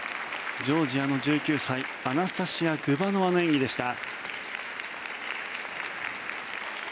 ジョージアの１９歳アナスタシヤ・グバノワの演技でした。